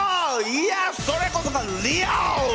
いやそれこそがリアル！